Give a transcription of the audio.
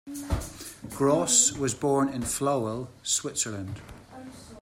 Gross was born in Flawil, Switzerland.